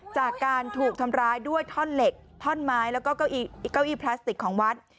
จากการถูกทำร้ายด้วยท่อนเหล็กท่อนไม้แล้วก็เก้าอี้พลาสติกของวัด